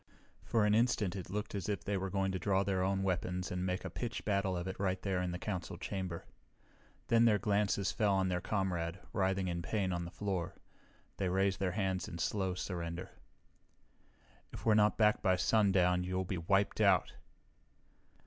For an instant it looked as if they were going to draw their own weapons and make a pitched battle of it right there in the Council chamber. Then their glances fell on their comrade, writhing in pain on the floor. They raised their hands in slow surrender. "If we're not back by sundown, you'll be wiped out!"